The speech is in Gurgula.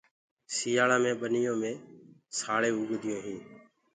سيلآ بي ٻنيو مي سآݪينٚ اُگديونٚ هين۔